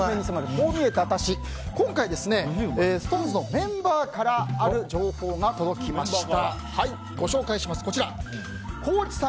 こう見えてワタシ今回、ＳｉｘＴＯＮＥＳのメンバーからある情報が届きました。